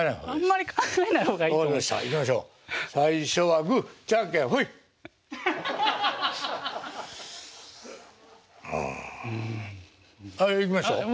はいいきますよ。